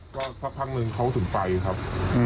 ก็สักครั้งหนึ่งเขาถึงไปครับ